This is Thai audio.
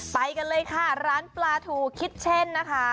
ไปกันเลยค่ะร้านปลาทูคิชเช่นนะคะ